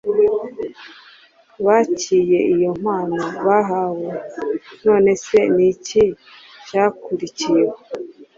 Bakiye iyo mpano bahawe. None se ni iki cyakurikiyeho?